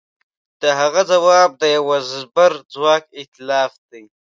د هغه ځواب د یوه زبرځواک ایتلاف